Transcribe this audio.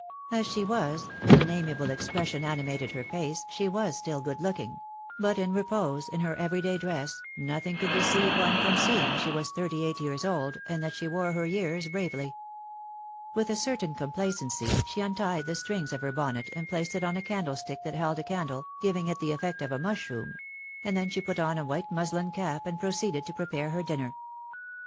As she was, when an amiable expression animated her face, she was still good looking; but in repose, in her everyday dress, nothing could deceive one from seeing she was thirty eight years old, and that she wore her years bravely. With a certain complacency, she untied the strings of her bonnet, and placed it on a candlestick that held a candle, giving it the effect of a mushroom; then she put on a white muslin cap, and proceeded to prepare her dinner.